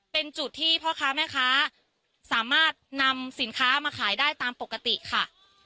เป็นจุดที่พ่อค้าแม่ค้าสามารถนำสินค้ามาขายได้ตามปกติค่ะ